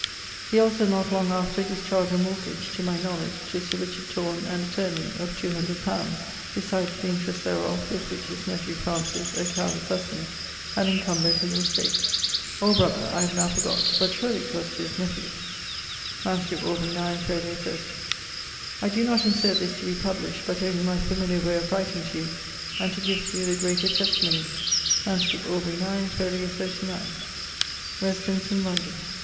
He also not long after dischardged a mortgage (to my knowledge[CX.], to Richard Thorne, an attorney) of two hundred pounds, besides the interest thereof, with which his nephew Francis (a careles husband) had incumbred his estate. [CIX.] Or brother: I have now forgott. But surely 'twas to his nephewe. MS. Aubr. 9, fol. 30ᵛ. [CX.] I doe not insert this to be published, but only my familiar way of writing to you and to give to you the greater testimonie. MS. Aubr. 9, fol. 39ᵛ. <_Residence in London.